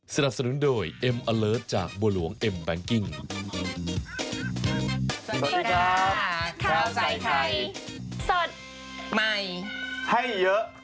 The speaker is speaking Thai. สวัสดีครับข้าวใส่ไข่สดใหม่ให้เยอะ